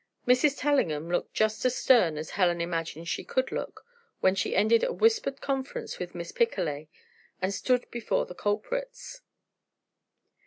Mrs. Tellingham looked just as stern as Helen imagined she could look, when she ended a whispered conference with Miss Picolet, and stood before the culprits.